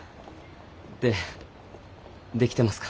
で出来てますか？